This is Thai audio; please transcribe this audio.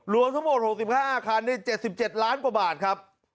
รวมทั้งหมด๖๕อาคารใน๗๗ล้านกว่าบาทครับ